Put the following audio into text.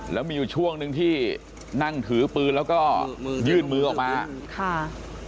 แล้วมีอยู่ช่วงหนึ่งที่นั่งถือปืนแล้วก็ยื่นมือออกมาค่ะ